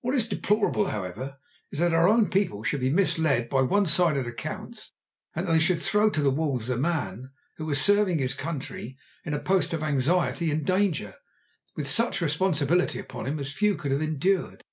What is deplorable, however, is that our own people should be misled by one sided accounts, and that they should throw to the wolves a man who was serving his country in a post of anxiety and danger, with such responsibility upon him as few could ever have endured.